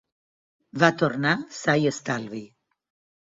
Va tornar sa i estalvi.